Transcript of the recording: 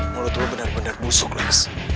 mulut lo bener bener busuk lex